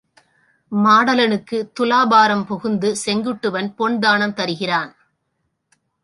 மாடலனுக்குத் துலாபாரம் புகுந்து செங்குட்டுவன் பொன்தானம் தருகிறான்.